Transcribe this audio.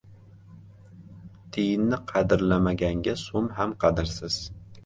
• Tiyinni qadrlamaganga so‘m ham qadrsiz.